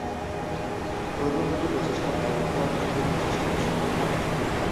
প্রথম দুটি প্রচেষ্টা ব্যর্থ হয়; তৃতীয় প্রচেষ্টাটি সফল হয়।